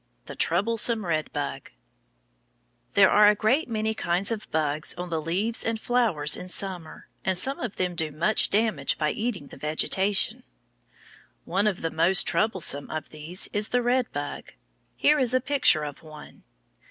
THE TROUBLESOME RED BUG There are a great many kinds of bugs on the leaves and flowers in summer, and some of them do much damage by eating the vegetation. One of the most troublesome of these is the red bug. Here is a picture of one.